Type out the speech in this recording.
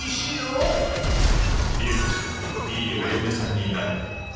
いいお嫁さんになるよ。